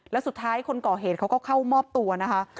แล้วสุดท้ายคนก่อเหตุเขาก็เข้ามอบตัวนะคะ